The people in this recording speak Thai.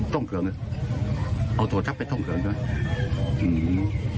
ต้องเขือเอาตัวทรัพย์ไปทรัพย์เขาด้วย